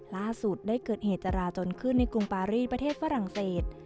ล่าสุดได้เกิดเหตุจราจนขึ้นในกรุงปารีประเทศฝรั่งเศส